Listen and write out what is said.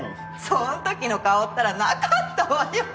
その時の顔ったらなかったわよ！